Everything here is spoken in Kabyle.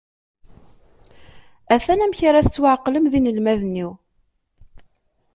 Atan amek ara tettwaεeqlem d inelmaden-iw.